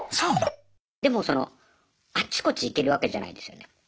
でもそのあっちこっち行けるわけじゃないですよね。